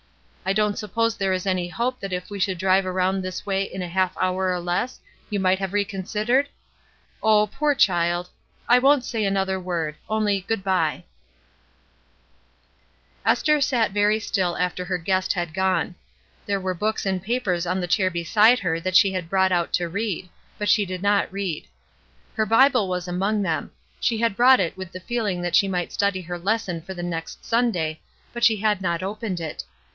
I don't suppose there is any hope that if we should drive around this way in a half hour or less, you might have reconsidered? Oh, poor child! I won't say another word; only good by." 92 ESTER RIED'S NAMESAKE Esther sat very still after her guest had gone. There were books and papers on the chau* beside her that she had brought out to read; but she did not read. Her Bible was among them ; she had brought it with the feeling that she might study her lesson for the next Sunday, but she had not opened it.